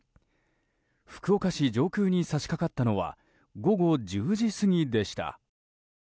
福岡市上空に差し掛かったのは午後１０時過ぎでした。